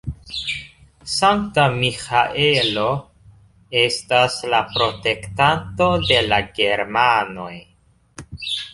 Sankta Miĥaelo estas la protektanto de la germanoj.